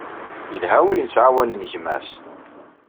Yelha win yettɛawanen gma-s.